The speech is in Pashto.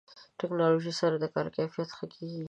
ټکنالوژي سره د کار کیفیت ښه کېږي.